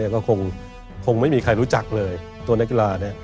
ก็คงไม่มีใครรู้จักเลยตัวนักกีฬาเนี่ย